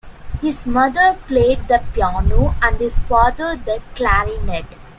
His mother played the piano, and his father, the clarinet.